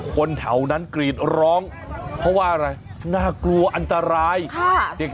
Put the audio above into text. คนแถวนั้นกรีดร้องเพราะว่าอะไรน่ากลัวอันตรายค่ะเด็ก